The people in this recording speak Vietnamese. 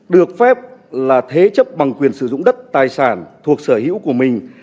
được phép là thế chấp bằng quyền sử dụng đất tài sản thuộc sở hữu của mình